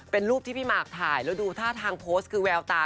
เป็นรูปที่พี่หมากถ่ายแล้วดูท่าทางโพสต์คือแววตา